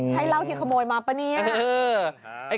ใช่เหล้าที่ขโมยมาปะเนี่ย